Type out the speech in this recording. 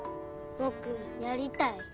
ぼくやりたい。